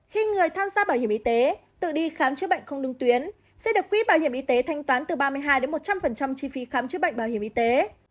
khi người tham gia bảo hiểm y tế tự đi khám chứa bệnh không đúng tuyến sẽ được quý bảo hiểm y tế thanh toán từ ba mươi hai đến một trăm linh chi phí khám chứa bệnh bảo hiểm y tế